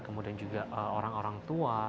kemudian juga orang orang tua